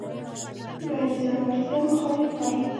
به د زړورتیا مخالف وای